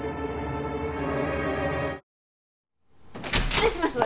失礼します！